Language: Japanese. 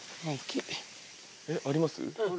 えっあります？